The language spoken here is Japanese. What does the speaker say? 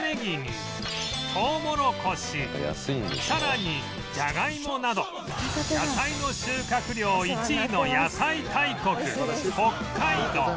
さらにじゃがいもなど野菜の収穫量１位の野菜大国北海道